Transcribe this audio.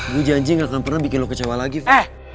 gue janji gak akan pernah bikin lo kecewa lagi tuh